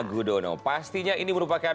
gudono pastinya ini merupakan